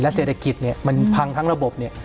เศรษฐกิจเนี่ยมันพังทั้งระบบเนี่ย